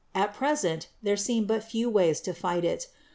At present there seem but few ways to fight it.